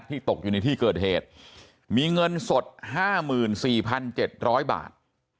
ตกอยู่ในที่เกิดเหตุมีเงินสด๕๔๗๐๐บาท